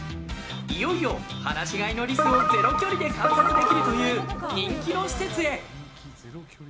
いよいよ放し飼いのリスをゼロ距離で観察できるという人気の施設へ。